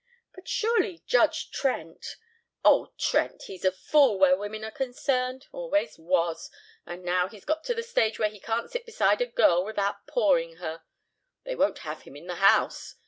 "But surely Judge Trent " "Oh, Trent! He's a fool where women are concerned. Always was, and now he's got to the stage where he can't sit beside a girl without pawing her. They won't have him in the house.